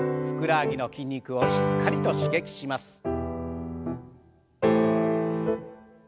ふくらはぎの筋肉をしっかりと刺激します。